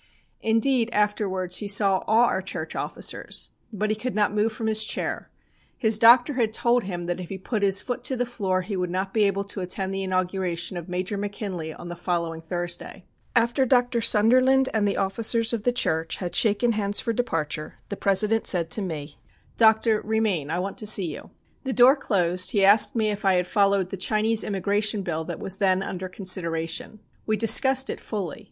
Indeed, afterwards, he saw all our church officers. But he could not move from his chair. His doctor had told him that if he put his foot to the floor he would not be able to attend the inauguration of Major McKinley on the following Thursday. "After Dr. Sunderland and the officers of the church had shaken hands for departure, the President said to me: "'Doctor, remain, I want to see you.' "The door closed, he asked me if I had followed the Chinese Immigration Bill that was then under consideration. We discussed it fully.